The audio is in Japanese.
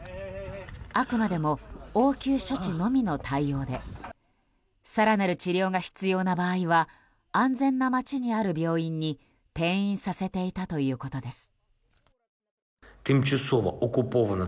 あくまでも応急処置のみの対応で更なる治療が必要な場合は安全な街にある病院に転院させていたということです。